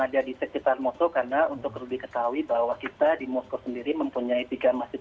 ada di sekitar mosko karena untuk perlu diketahui bahwa kita di moskow sendiri mempunyai tiga masjid